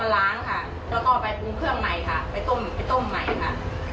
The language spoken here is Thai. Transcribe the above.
แล้วก็เอาไปให้เด็กรับประทานค่ะ